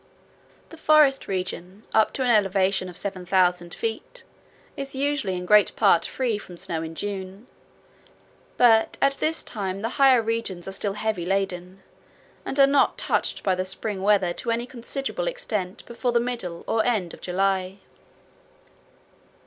The forest region up to an elevation of 7000 feet is usually in great part free from snow in June, but at this time the higher regions are still heavy laden, and are not touched by spring weather to any considerable extent before the middle or end of July.